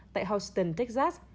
tại houston texas